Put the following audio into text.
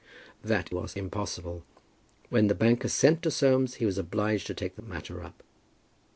"That was impossible. When the banker sent to Soames, he was obliged to take the matter up."